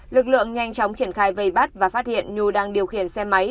lực lượng nhanh chóng triển khai vây bắt và phát hiện nhu đang điều khiển xe máy